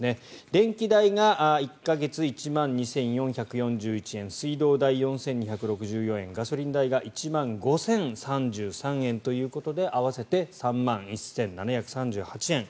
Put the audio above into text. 電気代が１か月、１万２４４１円水道代が４２６４円ガソリン代が１万５０３３円ということで合わせて３万１７３８円。